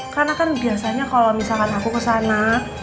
karena kan biasanya kalau misalkan aku ke sana